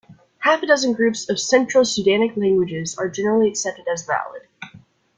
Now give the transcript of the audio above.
Half a dozen groups of Central Sudanic languages are generally accepted as valid.